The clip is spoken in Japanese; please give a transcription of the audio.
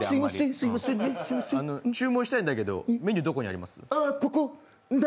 注文したいんだけどメニューどこにあります？